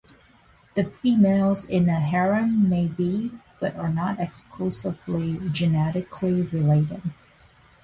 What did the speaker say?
The females in a harem may be, but are not exclusively, genetically related.